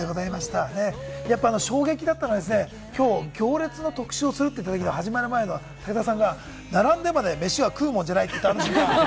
やっぱり衝撃だったのが、きょう行列の特集をするって言ったときの、始まる前の武田さんが並んでまで飯は食うもんじゃないって言ったあの瞬間。